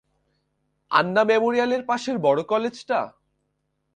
আন্না মেমোরিয়ালের পাশের বড় কলেজটা?